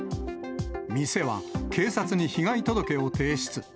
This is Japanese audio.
店は警察に被害届を提出。